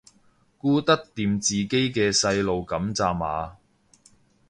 顧得掂自己嘅細路噉咋嘛